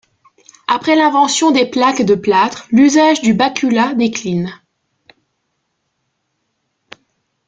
Après l’invention des plaques de plâtre, l'usage du bacula décline.